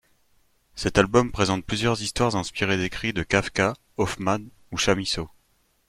Cet album présente plusieurs histoires inspirées d'écrits de Kafka, Hoffmann ou Chamisso.